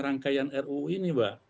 rangkaian ruu ini mbak